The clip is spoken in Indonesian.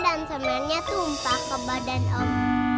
dan semennya tumpah ke badan om